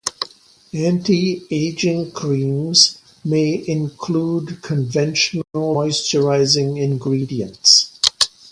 Anti-aging creams may include conventional moisturising ingredients.